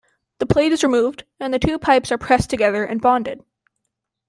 The plate is removed and the two pipes are pressed together and bonded.